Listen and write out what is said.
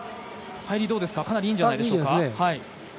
入り、かなりいいんじゃないでしょうか。